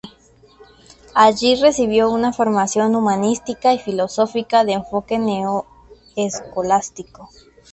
Allí recibió una formación humanística y filosófica de enfoque neo-escolástico.